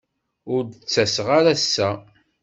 Ur d-ttaseɣ ara ass-a.